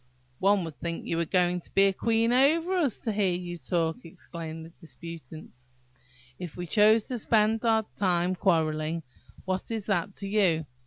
"One would think you were going to be queen over us, to hear you talk," exclaimed the disputants. "If we choose to spend our time in quarrelling, what is that to you?